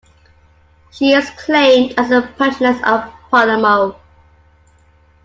She is claimed as the patroness of Palermo.